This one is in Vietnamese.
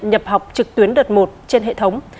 nhập học trực tuyến đợt một trên hệ thống